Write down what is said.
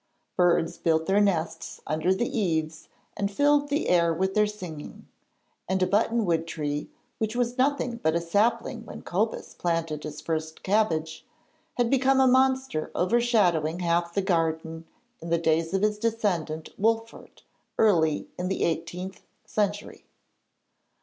Birds built their nests under the eaves and filled the air with their singing, and a button wood tree, which was nothing but a sapling when Cobus planted his first cabbage, had become a monster overshadowing half the garden in the days of his descendant Wolfert early in the eighteenth century.